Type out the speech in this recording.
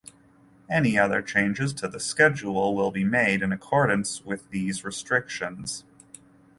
Any other changes to the schedule will be made in accordance with these restrictions.